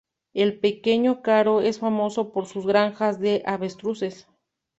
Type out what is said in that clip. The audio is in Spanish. El pequeño Karoo es famoso por sus granjas de avestruces.